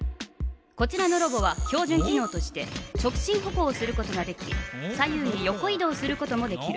こちらのロボは標じゅん機のうとして直進歩行をすることができ左右に横い動することもできる。